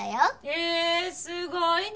へえすごいね！